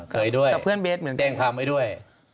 เคยด้วยแจ้งความไว้ด้วย